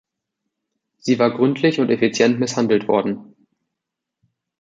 Sie war gründlich und effizient misshandelt worden.